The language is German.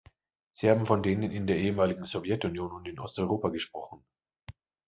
Sie haben von denen in der ehemaligen Sowjetunion und in Osteuropa gesprochen.